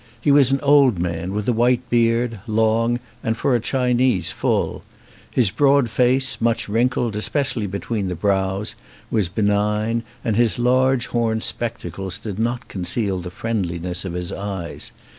He was an old man, with a white beard, long and for a Chinese full; his broad face, much wrinkled, especially between the brows, was benign, and his large horn spectacles did not conceal the friendli ness of his eyes.